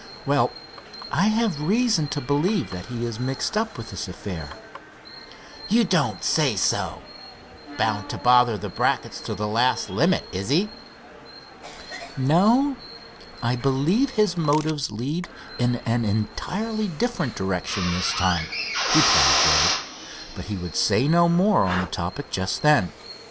"Well, I have reason to believe that he is mixed up with this affair." "You don't say so! Bound to bother the Bracketts to the last limit, is he?" "No, I believe his motives lead in an entirely different direction this time," replied Dave, but he would say no more on the topic just then.